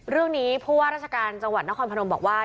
เรื่องนี้ผู้ว่าราชการจังหวัดนครพนมบอกว่า